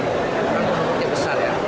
rangka rangka itu besar ya